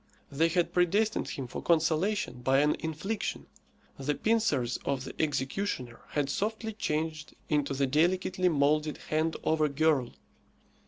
They had predestined him for consolation by an infliction. The pincers of the executioner had softly changed into the delicately moulded hand of a girl.